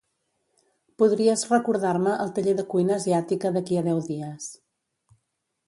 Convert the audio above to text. Podries recordar-me el taller de cuina asiàtica d'aquí a deu dies.